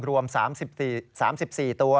รวม๓๔ตัว